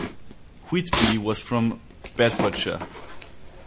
Whitby was from Bedfordshire.